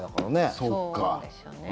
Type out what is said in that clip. そうなんですよね。